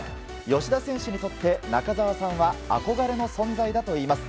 吉田選手にとって中澤さんは憧れの存在だといいます。